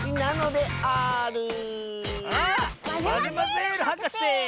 マゼマゼールはかせ！